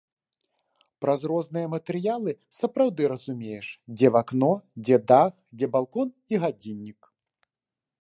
Праз розныя матэрыялы сапраўды разумееш, дзе вакно, дзе дах, дзе балкон і гадзіннік.